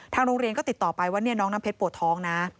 โรงเรียนก็ติดต่อไปว่าน้องน้ำเพชรปวดท้องนะ